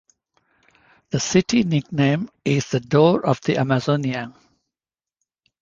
The city nickname is the Door of the Amazonia.